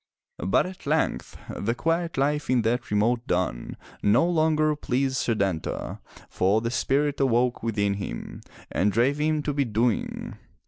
But at length the quiet life in that remote dun no longer pleased Setanta, for the spirit awoke within him and drave him to be doing.